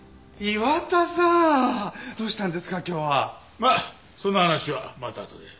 まあその話はまたあとで。